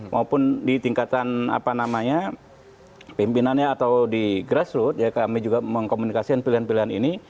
walaupun di tingkatan apa namanya pimpinannya atau di grassroot ya kami juga mengkomunikasi pilihan pilihan ini